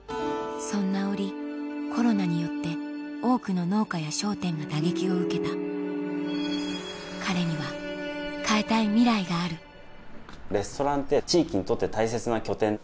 そんな折コロナによって多くの農家や商店が打撃を受けた彼には変えたいミライがあるレストランって地域にとって大切な拠点。